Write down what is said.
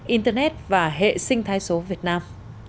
internet và hệ sinh thái số việt nam